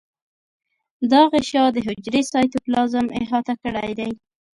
دا غشا د حجرې سایتوپلازم احاطه کړی دی.